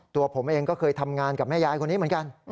ตัวผมเองก็เคยทำงานกับแม่ยายคนนี้เหมือนกัน